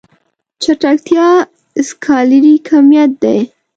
چټکتيا سکالري کميت دی.